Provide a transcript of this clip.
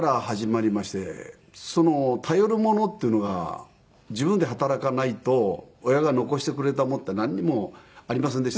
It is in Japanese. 頼るものっていうのが自分で働かないと親が残してくれたものってなんにもありませんでしたから。